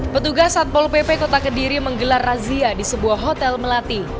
petugas satpol pp kota kediri menggelar razia di sebuah hotel melati